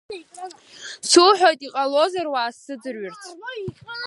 Суҳәоит, иҟалозар уаасзыӡырҩырцы.